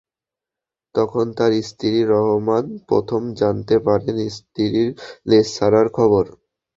তখন তাঁর স্বামী রহমান প্রথম জানতে পারেন স্ত্রীর দেশ ছাড়ার খবর।